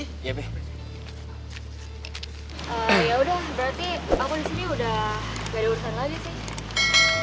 ya udah berarti aku disini udah gak ada urusan lagi sih